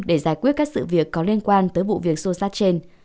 để giải quyết các sự việc có liên quan tới vụ việc xô xát trên